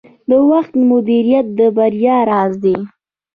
د وخت مدیریت د بریا راز دی.